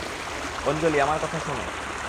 অঞ্জলি, আমার কথা শুনো।